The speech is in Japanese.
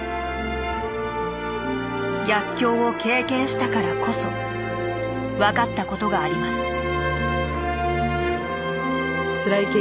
逆境を経験したからこそ分かったことがあります。